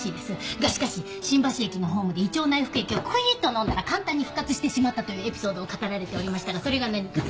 がしかし新橋駅のホームで胃腸内服液をくいっと飲んだら簡単に復活してしまったというエピソードを語られておりましたがそれが何か？